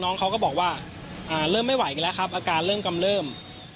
น้องเขาก็บอกว่าเริ่มไม่ไหวกันแล้วครับอาการเริ่มกำเริ่ม